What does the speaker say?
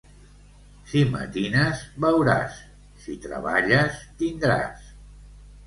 Si matines, veuràs; si treballes, tindràs.